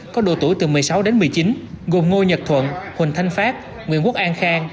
có độ tuổi từ một mươi sáu đến một mươi chín gồm ngô nhật thuận huỳnh thanh phát nguyễn quốc an khang